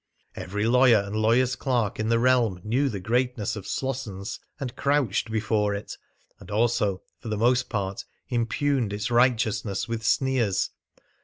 Every lawyer and lawyer's clerk in the realm knew the greatness of Slossons, and crouched before it, and also, for the most part, impugned its righteousness with sneers.